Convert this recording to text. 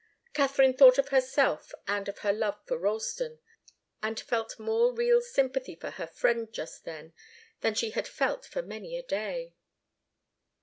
Katharine thought of herself and of her love for Ralston, and felt more real sympathy for her friend just then than she had felt for many a day.